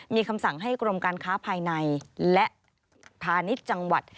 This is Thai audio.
มีคำสั่งให้กรมการค้าภายในและพาณิชย์จังหวัด